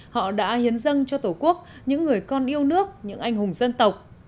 họ đã hiến dâng cho tổ quốc những người con yêu nước những anh hùng dân tộc